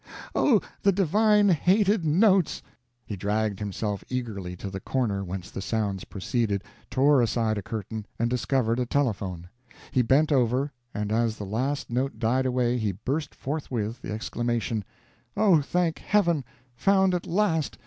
Oh, the divine hated notes!" He dragged himself eagerly to the corner whence the sounds proceeded, tore aside a curtain, and discovered a telephone. He bent over, and as the last note died away he burst forthwith the exclamation: "Oh, thank Heaven, found at last!